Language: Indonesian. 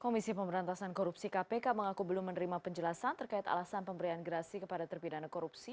komisi pemberantasan korupsi kpk mengaku belum menerima penjelasan terkait alasan pemberian gerasi kepada terpidana korupsi